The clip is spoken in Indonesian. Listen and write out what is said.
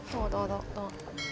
tunggu tunggu tunggu